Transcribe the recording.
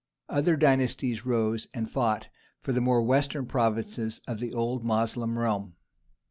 Other dynasties rose and fought for the more western provinces of the old Moslem realm.